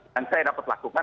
dan saya dapat lakukan